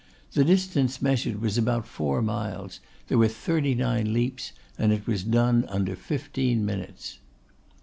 The distance measured was about four miles; there were thirty nine leaps; and it was done under fifteen minutes.